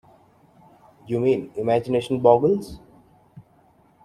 You mean imagination boggles?